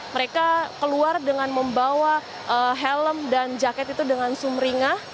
mereka keluar dengan membawa helm dan jaket itu dengan sumringah